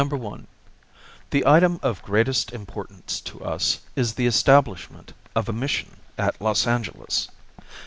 The item of greatest importance to us is the establishment of a mission at Los Angeles.